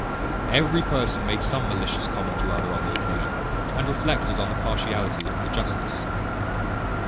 Every person made some malicious comment or other on the occasion, and reflected on the partiality of the justice.